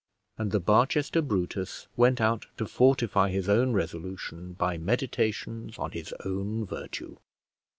And the Barchester Brutus went out to fortify his own resolution by meditations on his own virtue.